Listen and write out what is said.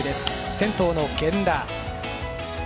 先頭の源田。